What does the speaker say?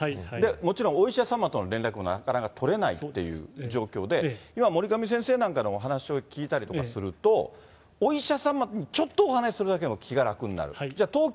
もちろんお医者様との連絡もなかなか取れないっていう状況で、今守上先生なんかのお話を聞いたりすると、お医者様とちょっとお話するだけでも気が楽になる、じゃあ東京